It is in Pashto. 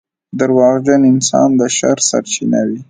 • دروغجن انسان د شر سرچینه وي.